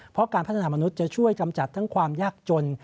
เพราะการพัฒนามนุษย์จะช่วยกำจัดทั้งความยากจน